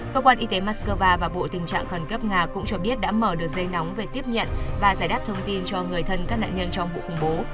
cơ quan y tế moscow và bộ tình trạng khẩn cấp nga cũng cho biết đã mở đường dây nóng về tiếp nhận và giải đáp thông tin cho người thân các nạn nhân trong vụ khủng bố